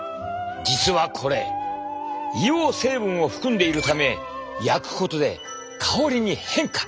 実はこれ硫黄成分を含んでいるため焼くことで香りに変化！